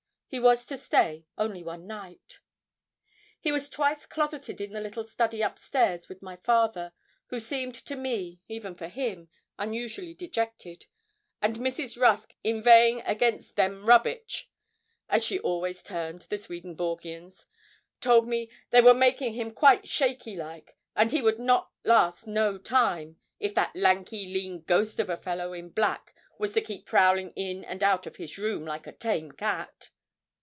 He was to stay only one night. He was twice closeted in the little study up stairs with my father, who seemed to me, even for him, unusually dejected, and Mrs. Rusk inveighing against 'them rubbitch,' as she always termed the Swedenborgians, told me 'they were making him quite shaky like, and he would not last no time, if that lanky, lean ghost of a fellow in black was to keep prowling in and out of his room like a tame cat.'